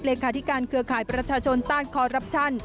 เลขาธิการเครือข่ายประชาชนต้านคอรับชัน